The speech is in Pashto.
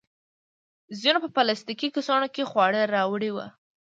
ځینو په پلاستیکي کڅوړو کې خواړه راوړي وو.